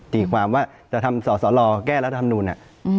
ติดความว่าจะทำสอดสอรอแก้รัฐธรรมนุมเนี่ย